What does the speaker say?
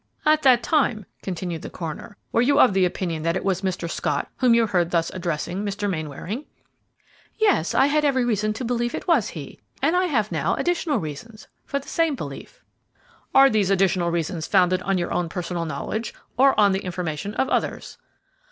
"At that time," continued the coroner, "were you of the opinion that it was Mr. Scott whom you heard thus addressing Mr. Mainwaring?" "Yes, I had every reason to believe it was he, and I have now additional reasons for the same belief." "Are these additional reasons founded on your own personal knowledge, or on the information of others?"